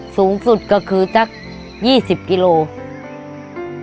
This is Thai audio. สูงสุดก็คือสัก๒๐กิโลกรัม